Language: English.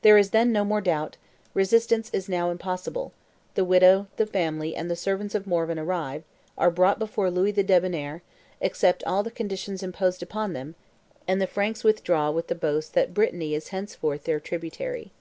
There is then no more doubt; resistance is now impossible; the widow, the family, and the servants of Morvan arrive, are brought before Louis the Debonnair, accept all the conditions imposed upon them, and the Franks withdraw with the boast that Brittany is henceforth their tributary.